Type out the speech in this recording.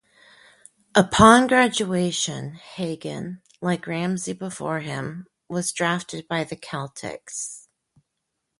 Upon graduation, Hagan, like Ramsey before him, was drafted by the Celtics.